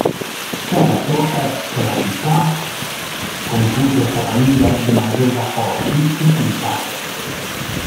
Certo è che la città con cui questa famiglia ebbe maggiori rapporti fu Pisa.